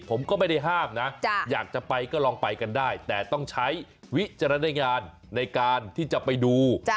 ผมก็ไม่ได้ห้ามนะอยากจะไปก็ลองไปกันได้แต่ต้องใช้วิจารณญาณในการที่จะไปดู